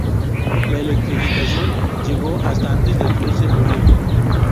La electrificación llegó hasta antes del cruce Unión.